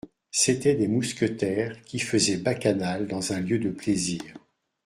C'étaient des mousquetaires qui faisaient bacchanal dans un lieu de plaisir.